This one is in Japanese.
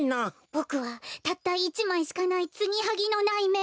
ボクはたった１まいしかないツギハギのないめんこ。